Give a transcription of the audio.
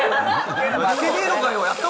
弾けねーのかよ！